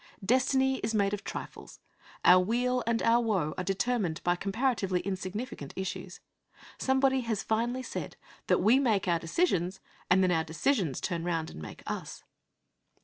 Destiny is made of trifles. Our weal and our woe are determined by comparatively insignificant issues. Somebody has finely said that we make our decisions, and then our decisions turn round and make us.